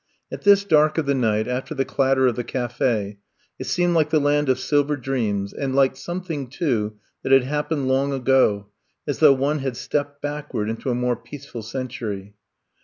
At this dark of the night, after the clatter of the cafe, it seemed like the land of silver dreams, and like something, too, that had happened long ago, as though one had stepped backward into a more peaceful cen tury.